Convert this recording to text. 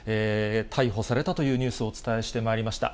逮捕されたというニュースをお伝えしてまいりました。